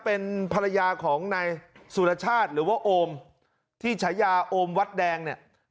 เป็นภรรยาของนายสุรชาติหรือว่าโอมที่ฉายาโอมวัดแดงเนี่ย